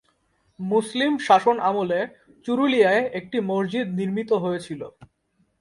মুসলিম শাসন আমলে চুরুলিয়ায় একটি মসজিদ নির্মিত হয়েছিল।